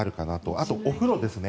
あと、お風呂ですね。